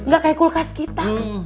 gak kayak kulkas kita